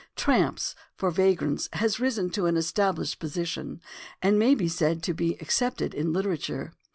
"Tramps" for vagrants has risen to an estabhshed position and may be said to be accepted in literature.